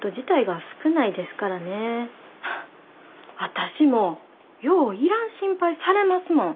私もよういらん心配されますもん。